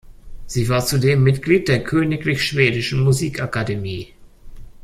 Sie war zudem Mitglied der Königlich Schwedischen Musikakademie.